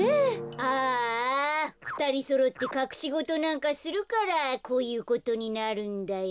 ああふたりそろってかくしごとなんかするからこういうことになるんだよ。